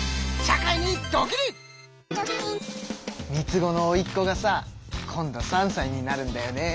３つ子のおいっ子がさ今度３さいになるんだよね。